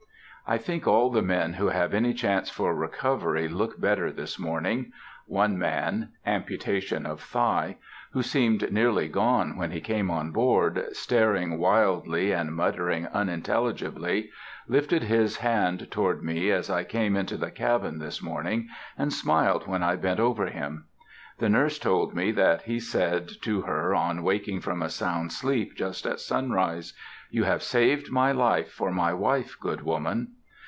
I think all the men who have any chance for recovery look better this morning. One man (amputation of thigh) who seemed nearly gone when he came on board, staring wildly, and muttering unintelligibly, lifted his hand toward me as I came into the cabin this morning; and smiled when I bent over him. The nurse told me that he said to her on waking from a sound sleep, just at sunrise, "You have saved my life for my wife, good woman."